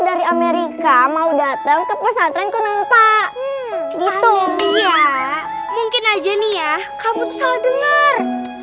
di amerika mau datang ke pesantren kunang pak gitu ya mungkin aja nih ya kamu salah dengar